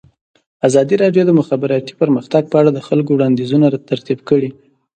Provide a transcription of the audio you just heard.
ازادي راډیو د د مخابراتو پرمختګ په اړه د خلکو وړاندیزونه ترتیب کړي.